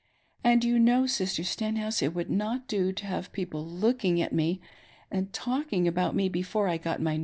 Atid you know, Sister Stenhouse, it would nrot do to have people looking at me and talking about me before 1 got my new bonnet."